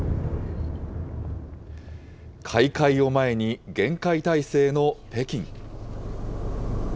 開会を前に厳戒態勢の北京。